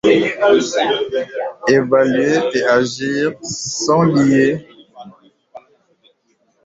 Évaluer et agir sont liés.